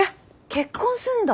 結婚すんだ！